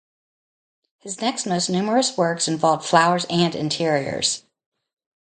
His next most numerous works involved flowers and interiors.